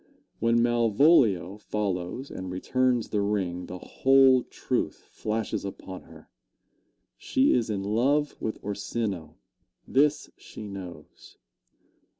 When Malvolio follows and returns the ring the whole truth flashes upon her. She is in love with Orsino this she knows.